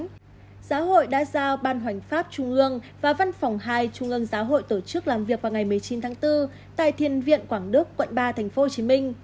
trước đó giáo hội đã giao ban hoành pháp trung ương và văn phòng hai trung ương giáo hội tổ chức làm việc vào ngày một mươi chín tháng bốn tại thiên viện quảng đức quận ba tp hcm